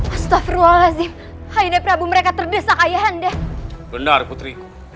astaghfirullahaladzim kainai prabu mereka terdesak ayah anda benar putri